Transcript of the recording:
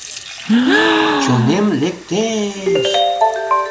Чонем лекте-еш!